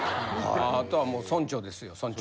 あとはもう村長ですよ村長。